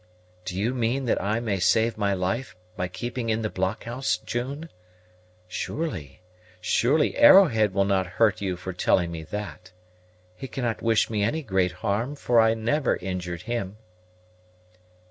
"Do you mean that I may save my life by keeping in the blockhouse, June? Surely, surely, Arrowhead will not hurt you for telling me that. He cannot wish me any great harm, for I never injured him."